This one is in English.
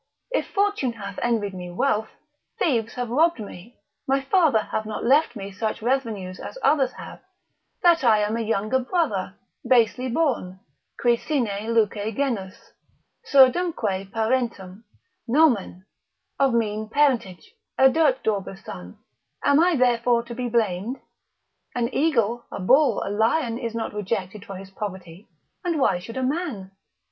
If fortune hath envied me wealth, thieves have robbed me, my father have not left me such revenues as others have, that I am a younger brother, basely born,—cui sine luce genus, surdumque parentum—nomen, of mean parentage, a dirt dauber's son, am I therefore to be blamed? an eagle, a bull, a lion is not rejected for his poverty, and why should a man?